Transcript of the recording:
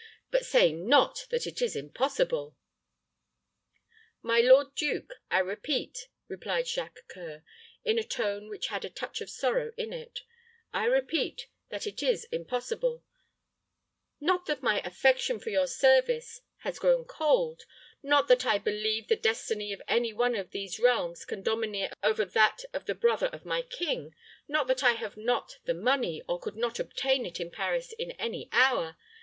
But say not that it is impossible." "My lord duke, I repeat," replied Jacques C[oe]ur, in a tone which had a touch of sorrow in it, "I repeat, that it is impossible; not that my affection for your service has grown cold not that I believe the destiny of any one in these realms can domineer over that of the brother of my king not that I have not the money, or could not obtain it in Paris in an hour.